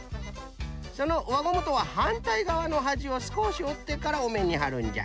そのわゴムとははんたいがわのはじをすこしおってからおめんにはるんじゃ。